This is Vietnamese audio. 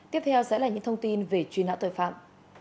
tiếp theo sẽ là những thông tin về truy nã tội phạm